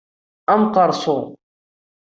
Amqeṛṣu!